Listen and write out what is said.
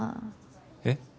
えっ？